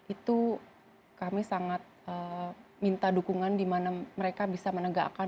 itu kami sangat minta dukungan di mana mereka bisa menegakkan